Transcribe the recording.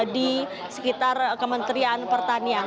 di sekitar kementerian pertanian